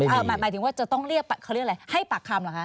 หมายถึงว่าจะต้องเรียกเขาเรียกอะไรให้ปากคำเหรอคะ